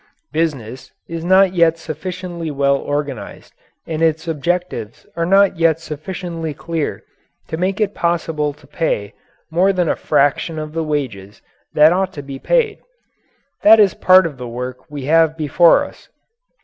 Business is not yet sufficiently well organized and its objectives are not yet sufficiently clear to make it possible to pay more than a fraction of the wages that ought to be paid. That is part of the work we have before us.